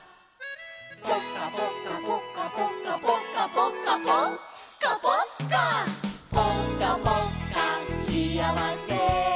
「ぽかぽかぽかぽかぽかぽかぽかぽっか！」「ぽかぽっかしあわせ」